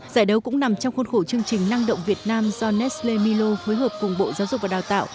giải đấu cũng nằm trong khuôn khổ chương trình năng động việt nam do nesle milo phối hợp cùng bộ giáo dục và đào tạo